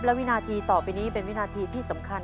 และวินาทีต่อไปนี้เป็นวินาทีที่สำคัญ